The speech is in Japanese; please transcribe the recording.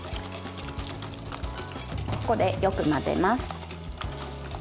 ここで、よく混ぜます。